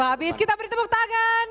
waktu habis kita beri tepuk tangan